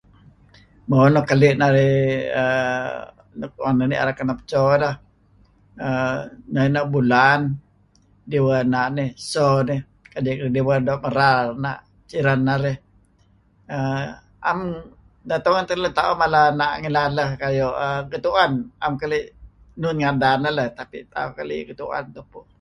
Mo luk keli' narih err luk tu'en narih kenep cho lah err ineh bulan diweh na' nih so nih kadi' diwen doo' merar na' siren narih, 'am tungen teh lun merar tauh mala na' malem lah kayu' getu'en, 'am keli' nun ngadan neh leh, tapi tauh keli getu'en tupu.